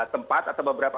tempat atau beberapa